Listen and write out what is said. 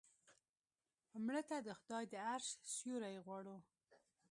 مړه ته د خدای د عرش سیوری غواړو